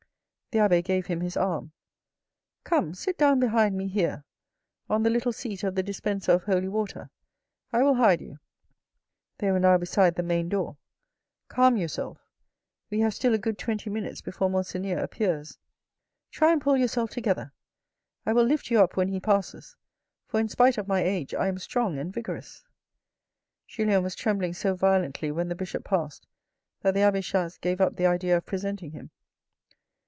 The abbe gave him his arm. " Come, sit down behind me here, on the little seat of the dispenser of holy water ; I will hide you." They were now beside the main door. " Calm yourself. We have still a good twenty minutes before Monseigneur appears. Try and pull yourself together. I will lift you up when he passes, for in spite of my age, I am strong and vigorous." Julien was trembling so violently when the Bishop passed, that the abbe Chas gave up the idea of presenting him.